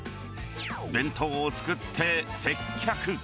弁当を作って接客。